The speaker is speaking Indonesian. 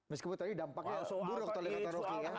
meskipun tadi dampaknya buruk tolongnya roky ya